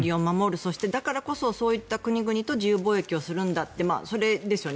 そして、だからこそそういった国々と自由貿易をするんだってそれですよね。